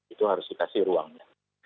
itu harus dikasih ruangnya